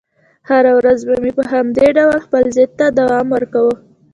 هره ورځ به مې په همدې ډول خپل ضد ته دوام ورکاوه.